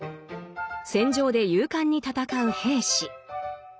戦場で勇敢に戦う兵士。